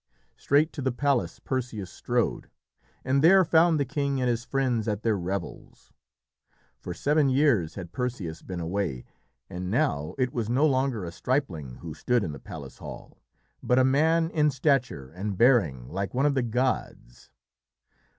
Straight to the palace Perseus strode, and there found the king and his friends at their revels. For seven years had Perseus been away, and now it was no longer a stripling who stood in the palace hall, but a man in stature and bearing like one of the gods.